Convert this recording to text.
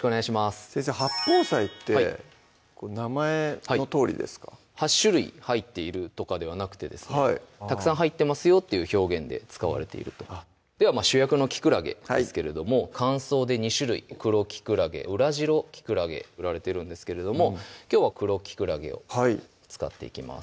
「八宝菜」って名前のとおりですか８種類入っているとかではなくてですねたくさん入ってますよっていう表現で使われているとでは主役のきくらげですけれども乾燥で２種類黒きくらげ・裏白きくらげ売られているんですけれどもきょうは黒きくらげを使っていきます